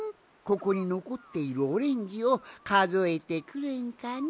ここにのこっているオレンジをかぞえてくれんかの？